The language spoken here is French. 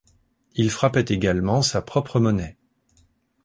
Il frappait également sa propre monnaie.